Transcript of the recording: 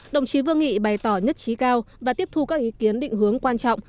đồng chí vương nghị bày tỏ nhất trí cao và tiếp thu các ý kiến định hướng quan trọng